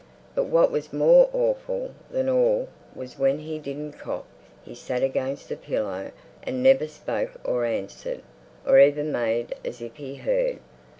But what was more awful than all was when he didn't cough he sat against the pillow and never spoke or answered, or even made as if he heard.